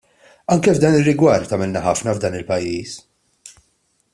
Anke f'dan ir-rigward għamilna ħafna f'dan il-pajjiż.